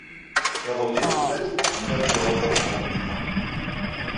Iḍelli, mlalent-d Nna Lǧuheṛ Tabetṛunt da.